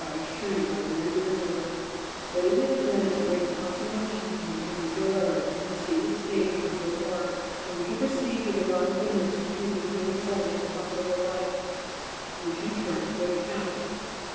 I assure you, my very dear daughter, that it has been a great consolation to me to read your letter and to see the state of your good heart, in which I perceive the divine Goodness diffuses many holy and profitable lights which you turn to good account.